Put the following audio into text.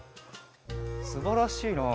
すばらしいな。